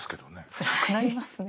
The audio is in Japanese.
つらくなりますね。